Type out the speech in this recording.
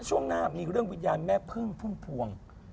ช่วงหน้ามีเรื่องวิญญาณแม่พึ่งพุ่มพวง